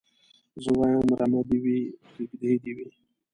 زه وايم رمه دي وي کيږدۍ دي وي